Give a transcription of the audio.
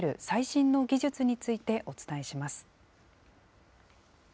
最新の技術についてお伝えします。